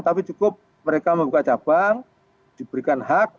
tapi cukup mereka membuka cabang diberikan hak